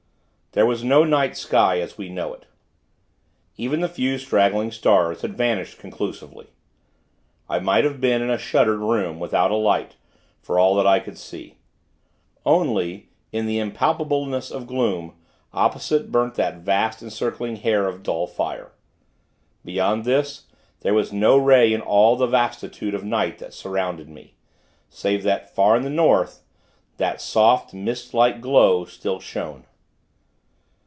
There was no night sky, as we know it. Even the few straggling stars had vanished, conclusively. I might have been in a shuttered room, without a light; for all that I could see. Only, in the impalpableness of gloom, opposite, burnt that vast, encircling hair of dull fire. Beyond this, there was no ray in all the vastitude of night that surrounded me; save that, far in the North, that soft, mistlike glow still shone.